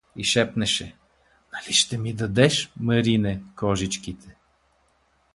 И шепнеше: — Нали ще ми дадеш, Марине, кожичките?